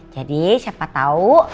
jadi siapa tahu